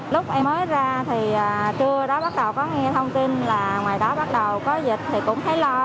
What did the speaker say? lúc em mới ra thì trưa đó bắt đầu có nghe thông tin là ngoài đó bắt đầu có dịch thì cũng thấy lo